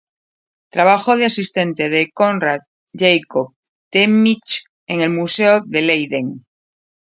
Trabajó de asistente de Coenraad Jacob Temminck en el Museo de Leiden.